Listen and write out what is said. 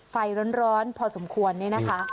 ไฟร้อนพอสมควรนี่นะคะ